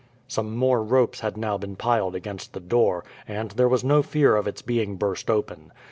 Some more ropes had now been piled against the door, and there was no fear of its being burst open.